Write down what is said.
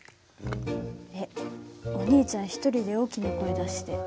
えっお兄ちゃん１人で大きな声出して。